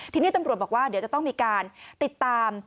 ทีนี้ตำรวจบอกว่าเดี๋ยวจะต้องมีการติดตาม